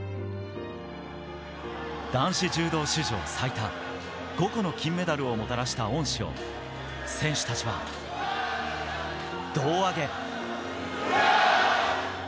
男子柔道史上最多、５個の金メダルをもたらした恩師を選手たちは胴上げ。